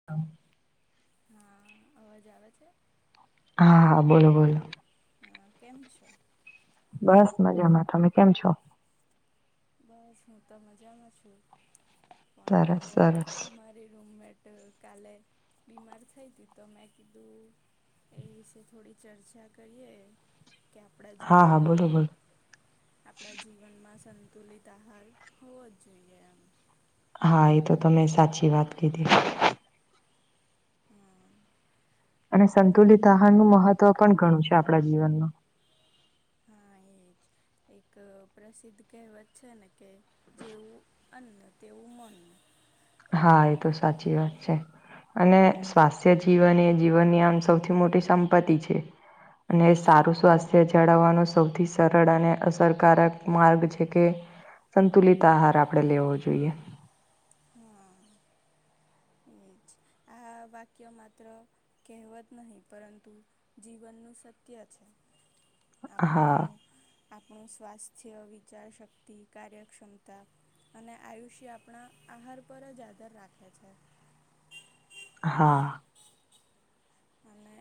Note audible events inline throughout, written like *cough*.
*inaudible* હા. અવાજ આવે છે? હા, બોલો-બોલો. હા, કેમ છો? બસ મજામાં. તમે કેમ છો? બસ હું તો મજામાં છું. સરસ પણ સરસ. મારી રૂમમેટ કાલે બીમાર થઈ તી તો મેં કીધું એ વિશે થોડી ચર્ચા કરીએ કે આપણા હા હા બોલો જીવનમાં બોલો આપણા જીવનમાં સ તુલિત આહાર હોવો જ જોઈએ આમ. હા એ તો તમે સાચી વાત કીધી. હા અને એમ સંતુલિત આહાર નું મહત્વ પણ ઘણું છે આપણા જીવનમાં. હા એ જ એક પ્રસિદ્ધ કહેવત છે ને કે જેવું અન્ન તેવું મન. હા એ તો સાચી વાત છે અને આ સ્વાસ્થ્ય જીવન એ જીવનની આમ સૌથી મોટી સંપત્તિ છે. અને સારું સ્વાસ્થ્ય જાળવવાનો સૌથી સરળ અને અસરકારક માર્ગ છે કે સંતુલિત આહાર આપણેે લેવો જોઈએ. હા એ જ આ વાક્ય માત્ર કહેવત નહીં પરંતુ જીવનનું સત્ય છે. હા. આપણું આપણું સ્વાસ્થ્ય વિચાર શક્તિ કાર્યક્ષમતા અને આયુષ્ય આપણા આહાર પર જ આધાર રાખે છે. હા અને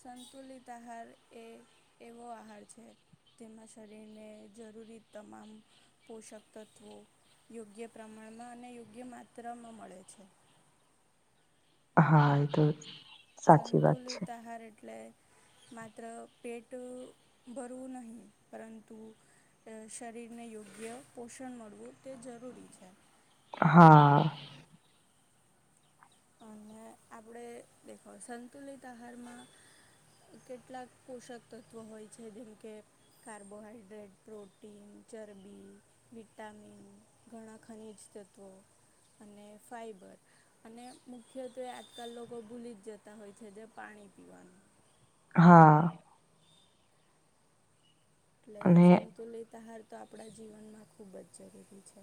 સંતુલિત આહાર એ એવો આહાર છે, તેમાં શરીરને જરૂરી તમામ પોષક તત્ત્વો યોગ્ય પ્રમાણમાં અને યોગ્ય માત્રામાં મળે છે. હા એ તો સાચી વાત છે સંતુલિત આહાર એટલે માત્ર પેટ ભરવું નહીં પરંતુ શરીરને યોગ્ય પોષણ મળવું તે જરૂરી છે. હા અને આપણે દેખો સંતુલિત આહારમાં કેટલાક પોષક તત્વો હોય છે જેમ કે કાર્બોહાઈડ્રેટ પ્રોટીન ચરબી વિટામિન ઘણાં ખનીજ તત્વો અને ફાઈબર અને મુખ્યત્વે આજકાલ લોકો ભૂલી જ જતા હોય છે જે પાણી પીવાનું હા એટલે અને સંતુલિત આહાર તો આપણા જીવનમાં ખૂબ જ જરૂરી છે.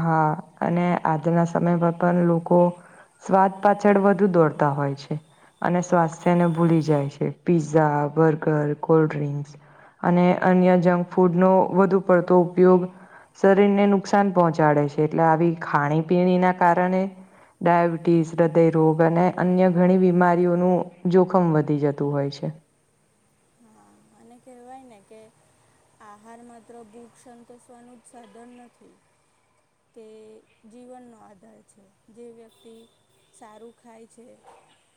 હા અને આજના સમય પર પણ લોકો સ્વાદ પાછળ વધુ દોડતા હોય છે. અને સ્વાસ્થ્યને ભૂલી જાય છે પીત્ઝા બર્ગર કોલ્ડ ડ્રિંક્સ. અને અન્ય જંક ફૂડ નો વધુ પડતો ઉપયોગ શરીરને નુકસાન પહોંચાડે છે એટલે આવી ખાણી પીણી ના કારણે ડાયાબિટીઝ હૃદયરોગ અને અન્ય ઘણી બીમારીઓનું જોખમ વધી જતું હોય છે. હા અને કહેવાય ને કે આહાર માત્ર ભૂખ સંતોષવાનું જ સાધન નથી. તે જીવનનો આધાર છે જે વ્યક્તિ સારું ખાય છે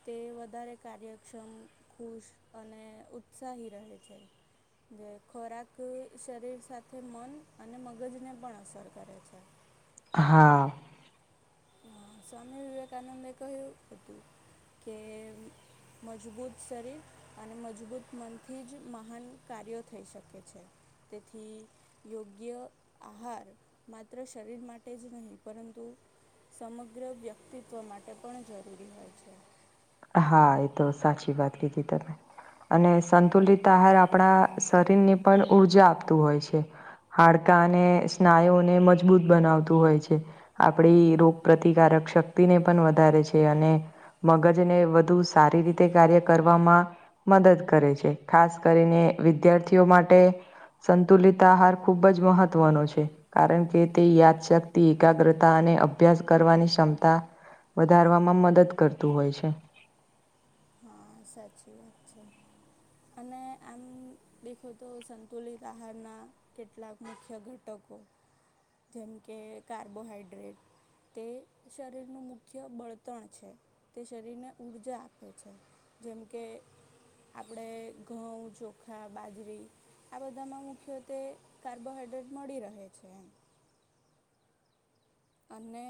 તે વધારે કાર્યક્ષમ ખુશ અને ઉત્સાહી રહે છે. જે ખોરાક શરીર સાથે મન અને મગજને પણ અસર કરે છે. હા. હ સ્વામી વિવેકાનંદે કહ્યું હતું કે મજબૂત શરીર અને મજબૂત મનથી જ મહાન કાર્યો થઈ શકે છે. તેથી યોગ્ય આહાર માત્ર શરીર માટે જ નહીં પરંતુ સમગ્ર વ્યક્તિત્વ માટે પણ જરૂરી હોય છે. હા એ તો સાચી વાત કીધી તમે. અને સંતુલિત આહાર આપણા શરીરને પણ ઊર્જા આપતું હોય છે. હાડકા અને સ્નાયુને મજબૂત બનાવતું હોય છે. આપણી રોગ પ્ર્રતિકારક શક્તિને પણ વધારે છે અને મગજ જેને વધુ સારી રીતે કાર્ય કરવામાં મદદ કરે છે ખાસ કરીને વિદ્યાર્થીઓ માટે. સંતુલિત આહાર ખૂબ જ મહત્ત્વનો છે. કારણ કે તે યાદશક્તિ એકાગ્રતા અને અભ્યાસ કરવાની ક્ષમતા વધારવામાં મદદ કરતું હોય છે. હા સાચી વાત છે. અને આમ દેખો તો સંતુલિત આહારના કેટલાક મુખ્ય ઘટકો જેમ કે કાર્બોહાઈડ્રેટ તે શરીરનું મુખ્ય બળતણ છે તે શરીરને ઊર્જા આપે છે. જેમકે આપણે ઘઉં ચોખા બાજરી આ બધામાં મુખ્યત્વે કાર્બોહાઈડ્રેટ મળી રહે છે. અને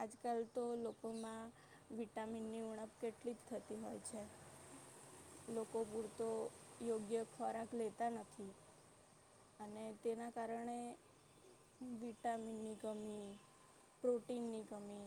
આજકાલ તો લોકોમાં વિટામિનની ઉણપ કેટલી જ થતી હોય છે. લોકો પૂરતો યોગ્ય ખોરાક લેતા નથી. અને તેના કારણે વિટામિનની કમી પ્રોટીનની કમી.